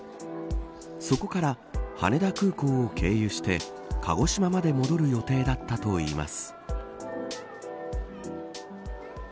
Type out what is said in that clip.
そこから羽田空港を経由して鹿児島まで戻る予定だったといいます。